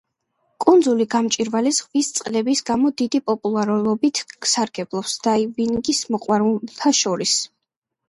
კუნძული გამჭვირვალე ზღვის წყლების გამო დიდი პოპულარობით სარგებლობს დაივინგის მოყვარულთა შორის.